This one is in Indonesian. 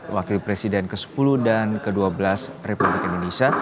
wakil presiden ke sepuluh dan ke dua belas republik indonesia